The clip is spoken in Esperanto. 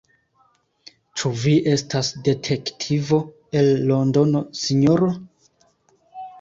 Ĉu vi estas detektivo el Londono, sinjoro?